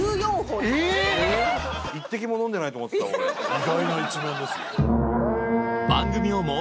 意外な一面ですよ